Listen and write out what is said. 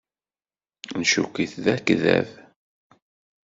Ncukk-it d akeddab.